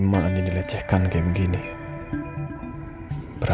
saya video ini udah dipakai selama mungkin cultura